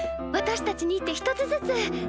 私たちにって１つずつ。